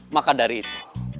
maka dari itu